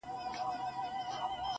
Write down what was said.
ما مي د هسک وطن له هسکو غرو غرور راوړئ.